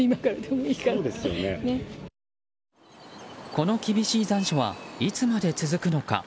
この厳しい残暑はいつまで続くのか。